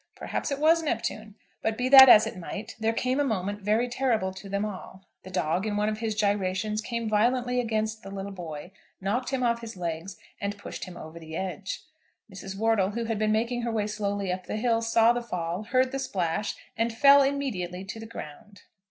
Perhaps it was Neptune; but be that as it might, there came a moment very terrible to them all. The dog in one of his gyrations came violently against the little boy, knocked him off his legs, and pushed him over the edge. Mrs. Wortle, who had been making her way slowly up the hill, saw the fall, heard the splash, and fell immediately to the ground.